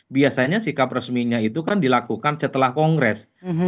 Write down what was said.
biasanya sikap resminya itu kan dilakukan setelah kongres